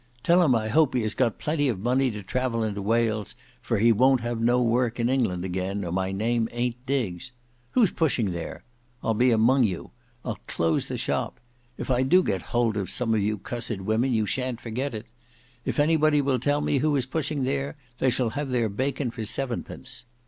Tell him I hope he has got plenty of money to travel into Wales, for he won't have no work in England again, or my name ayn't Diggs. Who's pushing there? I'll be among you; I'll close the shop. If I do get hold of some of you cussed women, you shan't forget it. If anybody will tell me who is pushing there, they shall have their bacon for seven pence.